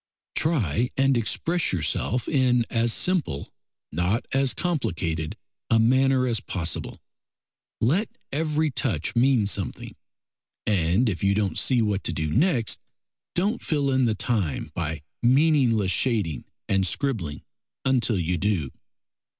Try and express yourself in as simple, not as complicated a manner as possible. Let every touch mean something, and if you don't see what to do next, don't fill in the time by meaningless shading and scribbling until you do.